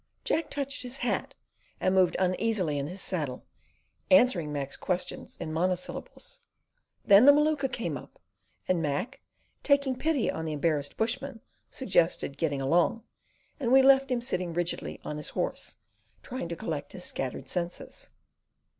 Jack touched his hat and moved uneasily in his saddle, answering Mac's questions in monosyllables. Then the Maluka came up, and Mac, taking pity on the embarrassed bushman, suggested "getting along," and we left him sitting rigidly on his horse, trying to collect his scattered senses.